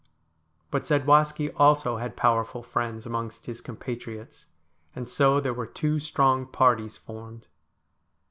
But Zadwaski also had powerful friends amongst his compatriots, and so there were two strong parties formed.